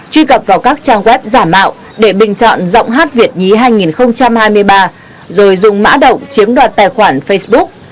truy cập vào các trang web giả mạo để bình chọn giọng hát việt nhí hai nghìn hai mươi ba rồi dùng mã động chiếm đoạt tài khoản facebook